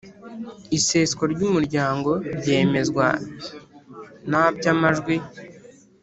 Iseswa ry umuryango ryemezwa na by amajwi